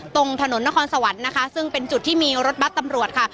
ตรงถนนนครสวรรค์นะคะซึ่งเป็นจุดที่มีรถบัตรตำรวจค่ะ